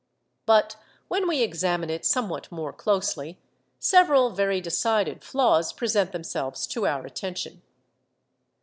But when we examine it somewhat more closely, several very decided flaws present themselves to our attention.